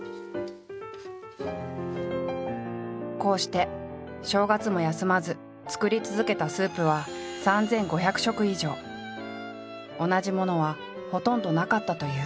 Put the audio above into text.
こうして正月も休まず作り続けたスープは同じものはほとんどなかったという。